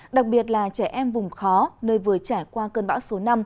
đặc biệt là trẻ em vùng khó nơi vừa trải qua cơn bão số năm